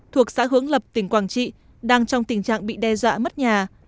thuộc xã hướng lập tỉnh quảng trị đang trong tình trạng bị đe dọa mất nhà